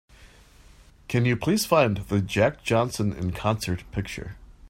Can you please find the Jack Johnson En Concert picture?